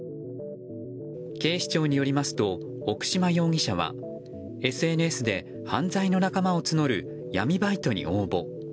警視庁によりますと奥島容疑者はＳＮＳで犯罪の仲間を募る闇バイトに応募。